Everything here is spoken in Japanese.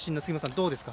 どうですか？